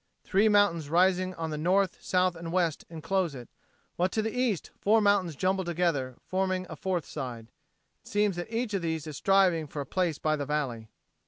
Three mountains rising on the north and south and west enclose it, while to the east four mountains jumble together, forming the fourth side. It seems that each of these is striving for a place by the valley.